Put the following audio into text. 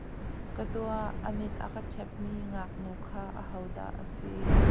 Kadua, a mit a ka ṭhepmi ngaknu kha ahodah a si?